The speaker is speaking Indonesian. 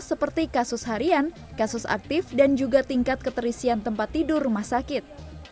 seperti kasus harian kasus aktif dan juga tingkat keterisian tempat tidur rumah sakit